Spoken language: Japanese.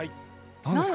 何ですか？